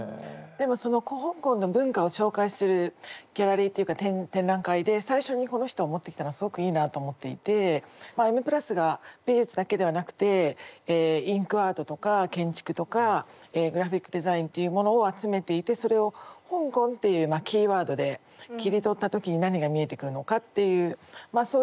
でもその香港の文化を紹介するギャラリーっていうか展覧会で最初にこの人を持ってきたのはすごくいいなあと思っていてまあ「Ｍ＋」が美術だけではなくてインクアートとか建築とかグラフィックデザインっていうものを集めていてそれを「香港」っていうキーワードで切り取った時に何が見えてくるのかっていうまあ